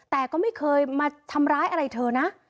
แต่ก็ไม่เคยมาทำร้ายอะไรเธอนะ